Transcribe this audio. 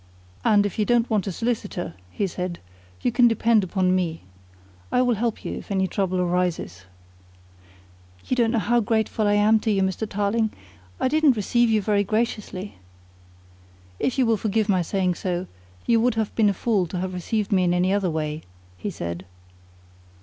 "And if you don't want a solicitor," he said, "you can depend upon me. I will help you if any trouble arises." "You don't know how grateful I am to you, Mr. Tarling, I didn't receive you very graciously!" "If you will forgive my saying so, you would have been a fool to have received me in any other way," he said.